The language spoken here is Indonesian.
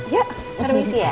ya permisi ya